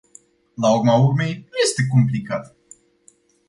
La urma urmei, nu este complicat!